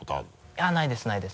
いやないですないです。